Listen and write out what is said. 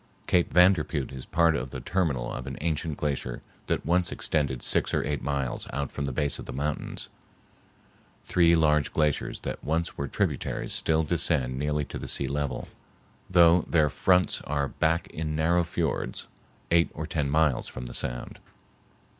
Cape Vanderpeut is part of the terminal of an ancient glacier that once extended six or eight miles out from the base of the mountains. Three large glaciers that once were tributaries still descend nearly to the sea level, though their fronts are back in narrow fiords, eight or ten miles from the sound.